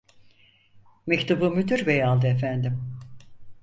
Mektubu müdür bey aldı efendim!